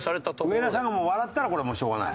上田さんが笑ったらこれもうしょうがない。